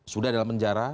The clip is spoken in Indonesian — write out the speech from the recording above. sudah dalam penjara